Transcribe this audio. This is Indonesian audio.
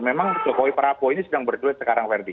memang jokowi parapo ini sedang berduet sekarang verdi